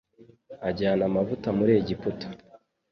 ajyana amavuta muri Egiputa